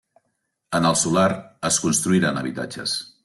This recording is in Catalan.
En el solar es construiran habitatges.